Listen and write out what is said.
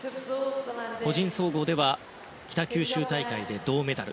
個人総合では北九州大会で銅メダル。